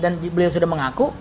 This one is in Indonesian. dan beliau sudah mengaku